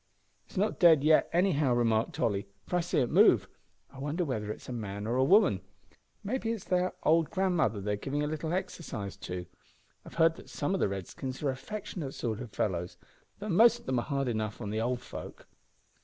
"It's not dead yet anyhow," remarked Tolly, "for I see it move. I wonder whether it is a man or a woman. Mayhap it's their old grandmother they're giving a little exercise to. I've heard that some o' the Redskins are affectionate sort o' fellows, though most of 'em are hard enough on the old folk."